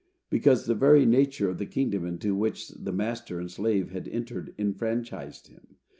Because the very nature of the kingdom into which the master and slave had entered enfranchised him.